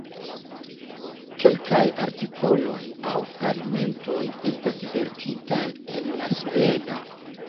Kelkaj artikoloj aŭ fragmentoj estas verkitaj en la Sveda.